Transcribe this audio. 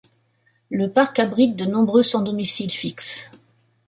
Le parc abrite de nombreux sans domicile fixe.